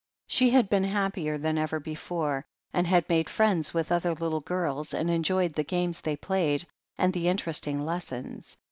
She had been happier than ever before, and had made friends with other little girls, and enjoyed the games they played, and the interesting lessons.